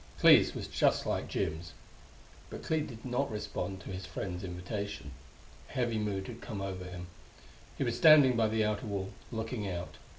Clee's was just like Jim's. But Clee did not respond to his friend's invitation. A heavy mood had come over him; he was standing by the outer wall, looking out.